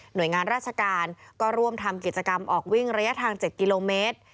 โดยงานราชการก็ร่วมทำกิจกรรมออกวิ่งระยะทาง๗กิโลเมตร